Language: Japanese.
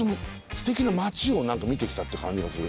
すてきな街を見てきたって感じがする。